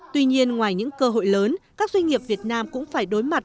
tuy nhiên ngoài những cơ hội lớn các doanh nghiệp việt nam cũng phải đối mặt